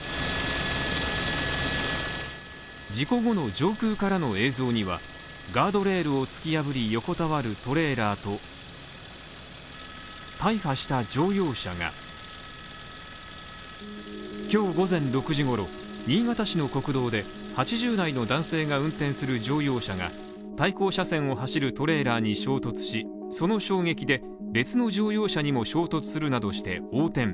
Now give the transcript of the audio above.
事故後の上空からの映像には、ガードレールを突き破り横たわるトレーラーと大破した乗用車が今日午前６時ごろ、新潟市の国道で、８０代の男性が運転する乗用車が対向車線を走るトレーラーに衝突し、その衝撃で別の乗用車にも衝突するなどして、横転。